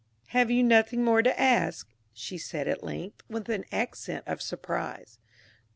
"Have you nothing more to ask?" she said at length, with an accent of surprise.